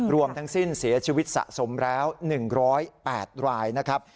รวมทั้งสิ้นเสียชีวิตสะสมแล้ว๑๐๘รายนะครับ